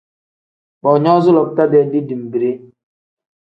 Boonyoozi lakuta-dee dibimbide.